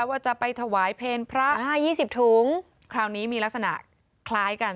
ว่าจะไปถวายเพลงพระห้ายี่สิบถุงคราวนี้มีลักษณะคล้ายกัน